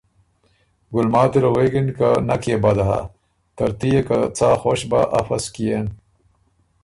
ګُلماتی ل غوېکِن که نک يې بد هۀ، ترتُو يې که څا خؤش بۀ افۀ سو کيېن